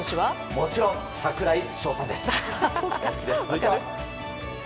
もちろん櫻井翔さんです！